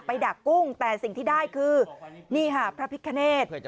ดักกุ้งแต่สิ่งที่ได้คือนี่ค่ะพระพิคเนธ